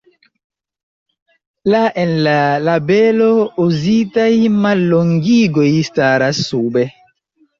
La en la tabelo uzitaj mallongigoj staras sube.